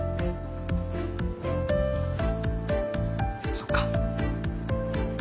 そっか。